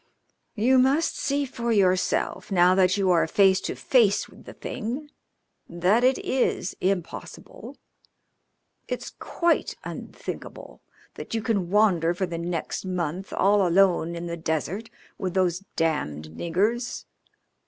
"You must see for yourself, now that you are face to face with the thing, that it is impossible. It's quite unthinkable that you can wander for the next month all alone in the desert with those damned niggers.